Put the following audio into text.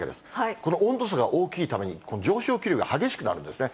この温度差が大きいために、この上昇気流が激しくなるんですね。